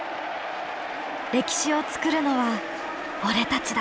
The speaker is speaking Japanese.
歴史を作るのは俺たちだ！